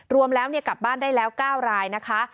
รวมแล้วกลับบ้านได้แล้ว๙รายนะคะ